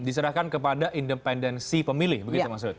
diserahkan kepada independensi pemilih begitu maksud